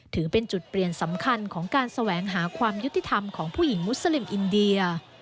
ถือเป็นจุดเปลี่ยนสำคัญของการแสวงหาความยุติธรรมของผู้หญิงมุสลิมอินเดีย